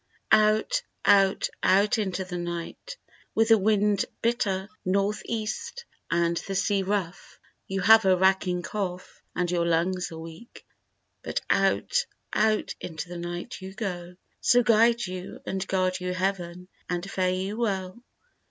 Out, out, out into the night, With the wind bitter North East and the sea rough; You have a racking cough and your lungs are weak, But out, out into the night you go, So guide you and guard you Heaven and fare you well!